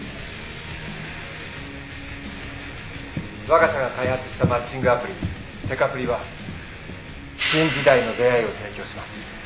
わが社が開発したマッチングアプリセカプリは新時代の出会いを提供します。